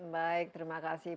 baik terima kasih